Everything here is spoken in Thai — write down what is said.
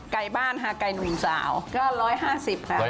ไก่บ้านหาไก่หนุ่มสาวก็๑๕๐ค่ะ